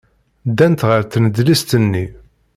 Ddant ɣer tnedlist-nni.